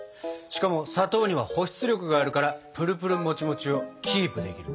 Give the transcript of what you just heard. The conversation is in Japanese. しかも砂糖には保湿力があるからプルプルもちもちをキープできるんだ。